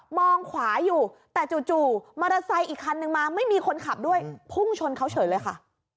มองขวาอยู่แต่จู่มอเตอร์ไซค์อีกคันนึงมาไม่มีคนขับด้วยพุ่งชนเขาเฉยเลยค่ะ